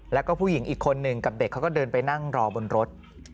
แล้วก็ผู้หญิงอีกคนนึงกับเด็กเขาก็เดินไปนั่งรอบนรถ